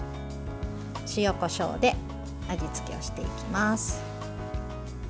塩、こしょうで味付けをしていきます。